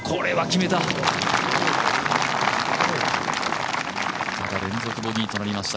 また連続ボギーとなりました。